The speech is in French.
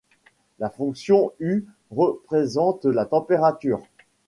La fonction u représente la température.